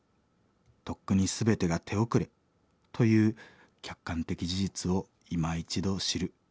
とっくに全てが手遅れという客観的事実をいま一度知る。